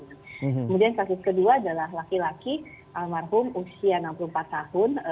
kemudian kasus kedua adalah laki laki almarhum usia enam puluh empat tahun